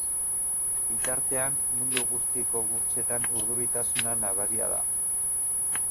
Bitartean, mundu guztiko burtsetan urduritasuna nabaria da.